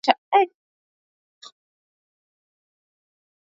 Siasa iyi masiku ilisha kuya ya kufungishishana